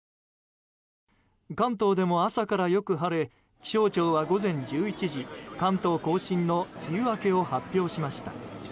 関東でも朝からよく晴れ気象庁は午前１１時関東・甲信の梅雨明けを発表しました。